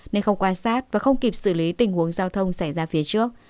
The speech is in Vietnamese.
nên không quan sát và không kịp xử lý tình huống giao thông xảy ra phía trước